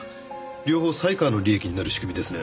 両方犀川の利益になる仕組みですね。